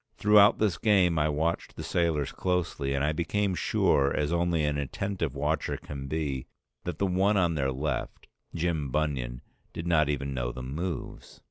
Throughout this game I watched the sailors closely, and I became sure, as only an attentive watcher can be, that the one on their left, Jim Bunion, did not even know the moves.